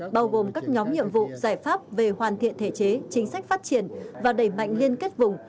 bao gồm các nhóm nhiệm vụ giải pháp về hoàn thiện thể chế chính sách phát triển và đẩy mạnh liên kết vùng